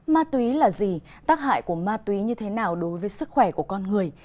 ma túy là gì tác hại của ma túy như thế nào đối với sức khỏe của con người